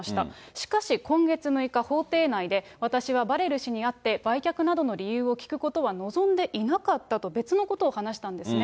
しかし今月６日、法廷内で、私はバレル氏に会って、売却などの理由を聞くことは望んでいなかったと、別のことを話したんですね。